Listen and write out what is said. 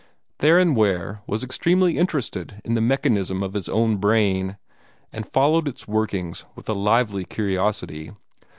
Theron Ware was extremely interested in the mechanism of his own brain, and followed its workings with a lively curiosity.